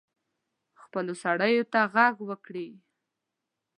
خپلو سړیو ته ږغ وکړي.